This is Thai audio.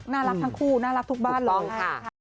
น่ารักทั้งคู่น่ารักทุกบ้านเลยนะคะ